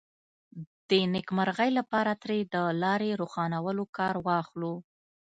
د نېکمرغۍ لپاره ترې د لارې روښانولو کار واخلو.